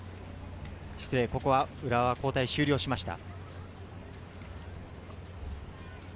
失礼、ここは浦和、交代枠を終了しました。